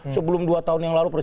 sebelum dua tahun yang lalu